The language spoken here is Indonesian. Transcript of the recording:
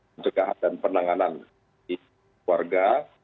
pencegahan dan penanganan di warga